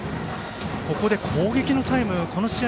ここで攻撃のタイムこの試合